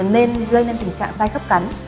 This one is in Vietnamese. nên gây nên tình trạng sai khớp cắn